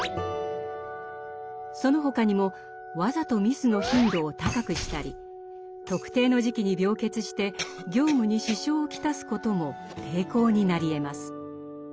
その他にもわざとミスの頻度を高くしたり特定の時期に病欠して業務に支障を来すことも抵抗になりえます。